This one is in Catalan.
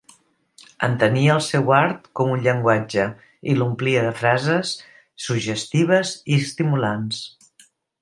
Entenia el seu art com un llenguatge i l'omplia de frases suggestives i estimulants.